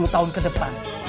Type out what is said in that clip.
lima puluh tahun ke depan